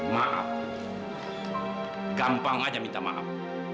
maaf gampang aja minta maaf